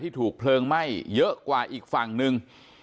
ถูกเพลิงไหม้เยอะกว่าอีกฝั่งหนึ่ง